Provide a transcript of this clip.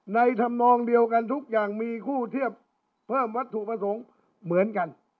ธรรมนองเดียวกันทุกอย่างมีคู่เทียบเพิ่มวัตถุประสงค์เหมือนกัน